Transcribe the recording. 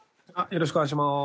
よろしくお願いします。